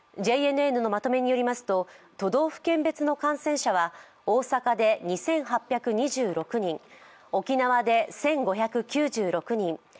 ＪＮＮのまとめによりますと、都道府県別の感染者は大阪で２８２６人沖縄で１５９６人